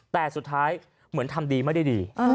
แต่สุดท้ายเหมือนทำดีไม่ได้ดี